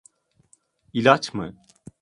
İlaç mı?